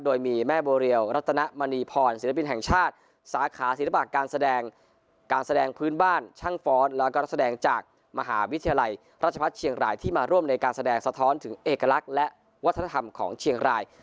โดยมีแม่โบเรียวรัตนมณีพรศิลปินแห่งชาติสาขาศิลปะการแสดงการแสดงพื้นบ้านช่างฟ้อนแล้วก็นักแสดงจากมหาวิทยาลัยราชพัฒน์เชียงรายที่มาร่วมในการแสดงสะท้อนถึงเอกลักษณ์และวัฒนธรรมของเชียงราย